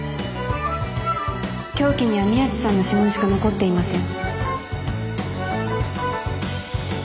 凶器には宮地さんの指紋しか残っていません。